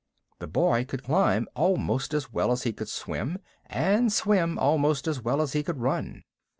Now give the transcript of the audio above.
The boy could climb almost as well as he could swim, and swim almost as well as he could run.